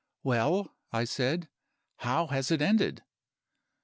"'Well,' I said, 'how has it ended?